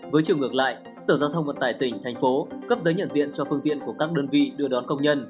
với chiều ngược lại sở giao thông vận tải tỉnh thành phố cấp giấy nhận diện cho phương tiện của các đơn vị đưa đón công nhân